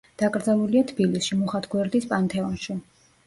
დაკრძალულია თბილისში, მუხათგვერდის პანთეონში.